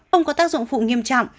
không có tác dụng phụ nghiêm trọng